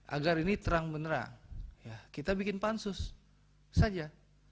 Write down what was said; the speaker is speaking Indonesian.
agar ini terang benerang kita bikin pansus saja